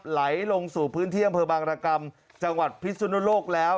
ไหลลงสู่พื้นที่อำเภอบางรกรรมจังหวัดพิสุนโลกแล้ว